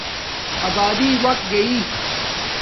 ابادی وقت گݶ